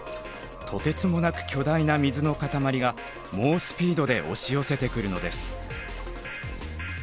とてつもなく巨大な水の塊が猛スピードで押し寄せてくるのです。